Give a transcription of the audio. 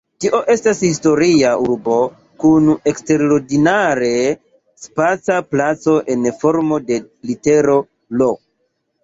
Tio estas historia urbo kun eksterordinare spaca placo en formo de litero "L".